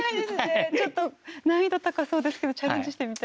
ちょっと難易度高そうですけどチャレンジしてみたいです。